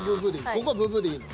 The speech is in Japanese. ここはブブーッでいいの。